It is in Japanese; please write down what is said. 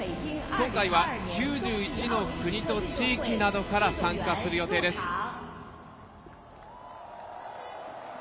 今回は９１の国と地域などから参加する予定です。